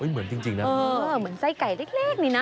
เหมือนจริงนะเหมือนไส้ไก่เล็กนี่นะ